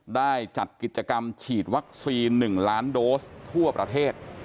ได้จัดกิจกรรมฉีดวัคซีน๑ล้านโดสทั่วประเทศ